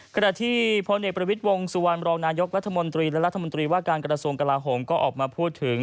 ขณะที่พลเอกประวิทย์วงสุวรรณรองนายกรัฐมนตรีและรัฐมนตรีว่าการกระทรวงกลาโหมก็ออกมาพูดถึง